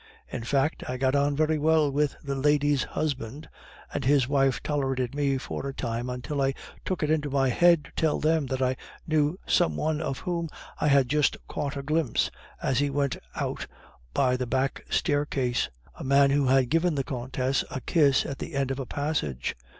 In fact, I got on very well with the lady's husband, and his wife tolerated me for a time until I took it into my head to tell them that I knew some one of whom I had just caught a glimpse as he went out by a back staircase, a man who had given the Countess a kiss at the end of a passage."